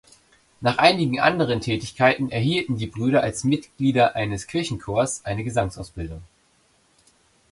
Nach einigen anderen Tätigkeiten erhielten die Brüder als Mitglieder eines Kirchenchors eine Gesangsausbildung.